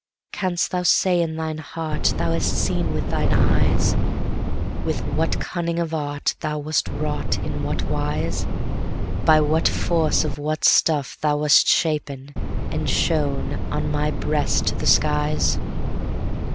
Canst thou say in thine heartThou hast seen with thine eyesWith what cunning of artThou wast wrought in what wise, By what force of what stuff thou wast shapen, and shown on my breast to the skies?